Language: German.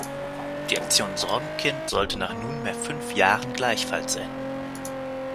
Die "Aktion Sorgenkind" sollte nach nunmehr fünf Jahren gleichfalls enden.